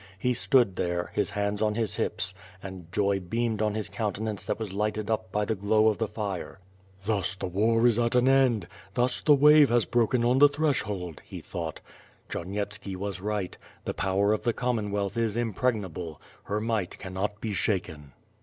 He stood there, his hands on hi 5 hips, and joy beamed on his countenance that was lighted up by the glow of the fire. "Thus the war is at an end! Thus the wave has broken on the threshold," he thought, diarnyctski was right; the power of the Commonwealth is impregnable; her might can not be shaken.